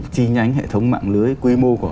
chi nhánh hệ thống mạng lưới quy mô của